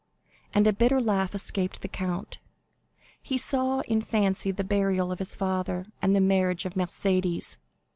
and a bitter laugh escaped the count. He saw in fancy the burial of his father, and the marriage of Mercédès.